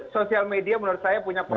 sosial media menurut saya punya